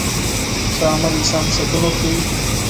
ښه عمل انسان ته سکون ورکوي.